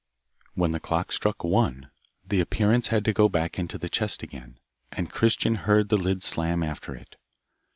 When the clock struck one, the appearance had to go back into the chest again, and Christian heard the lid slam after it.